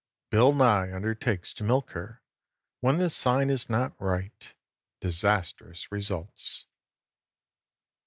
BILL NYE UNDERTAKES TO MILK HER WHEN THE SIGN IS NOT RIGHT DISASTROUS RESULTS.